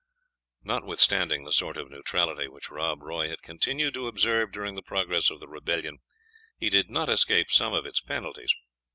Notwithstanding the sort of neutrality which Rob Roy had continued to observe during the progress of the Rebellion, he did not escape some of its penalties.